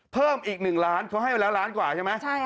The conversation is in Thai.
เพิ่มอีก๑ล้านเค้าให้แล้ว๑ล้านกว่าใช่มั้ย